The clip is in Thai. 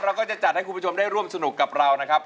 เราก็จะจัดให้คุณผู้ชมได้ร่วมสนุกกับเรานะครับ